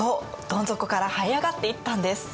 どん底からはい上がっていったんです。